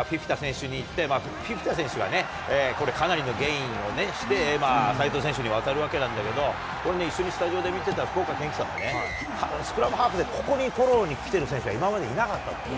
あれね、ライリー選手から選手にいって、フィフィタ選手はね、これ、かなりのゲインをして、齋藤選手に渡るわけなんだけど、一緒にスタジオで見てた福岡堅樹さんもね、スクラムハーフでここにフォローに来てる選手は今までいなかったと。